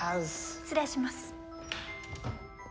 失礼します。